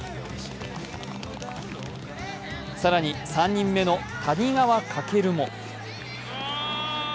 更に、３人目の谷川翔も。